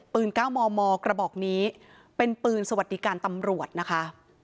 ๙มมกระบอกนี้เป็นปืนสวัสดิการตำรวจนะคะ